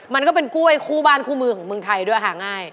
มันก็เป็นกล้วยคู่บ้านคู่มือของเมืองไทยด้วยหาง่าย